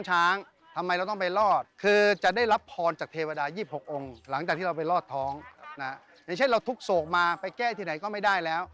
อย่างเช่นเราทุกโศกมาไปแก้ที่ไหนก็ไม่ได้แล้ว